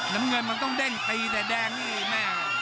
น้ำเงินมันต้องเด้งตีแต่แดงนี่แม่